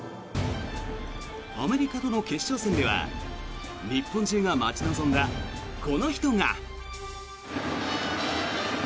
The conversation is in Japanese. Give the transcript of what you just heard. アメリカとの決勝戦では日本中が待ち望んだこの人が。